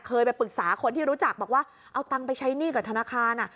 เคยไปปรึกษาคนที่รู้จักบอกว่าเอาตังค์ไปใช้หนี้กับธนาคาร